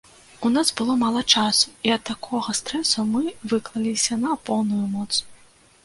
У нас было мала часу і ад такога стрэсу мы выклаліся на поўную моц!